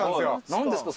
何ですか？